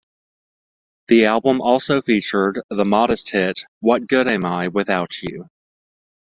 The album also featured the modest hit "What Good Am I Without You?".